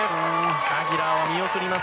アギラーは見送ります。